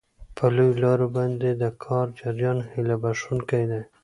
په لویو لارو باندې د کار جریان هیله بښونکی دی.